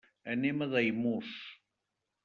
Anem a Daimús.